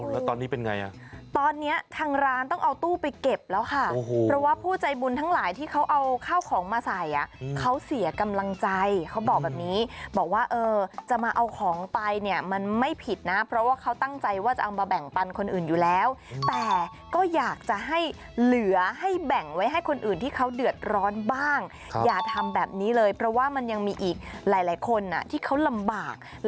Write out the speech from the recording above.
แล้วตอนนี้เป็นไงอ่ะตอนนี้ทางร้านต้องเอาตู้ไปเก็บแล้วค่ะเพราะว่าผู้ใจบุญทั้งหลายที่เขาเอาข้าวของมาใส่อ่ะเขาเสียกำลังใจเขาบอกแบบนี้บอกว่าเออจะมาเอาของไปเนี่ยมันไม่ผิดนะเพราะว่าเขาตั้งใจว่าจะเอามาแบ่งปันคนอื่นอยู่แล้วแต่ก็อยากจะให้เหลือให้แบ่งไว้ให้คนอื่นที่เขาเดือดร้อนบ้างอย่าทำแบบนี้เลยเพราะว่ามันยังมีอีกหลายคนที่เขาลำบาก